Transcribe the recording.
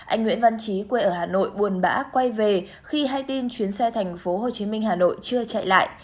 anh nguyễn văn trí quê ở hà nội buồn bã quay về khi hay tin chuyến xe tp hcm hà nội chưa chạy lại